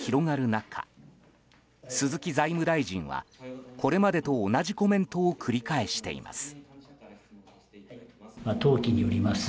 中鈴木財務大臣はこれまでと同じコメントを繰り返しています。